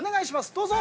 どうぞ！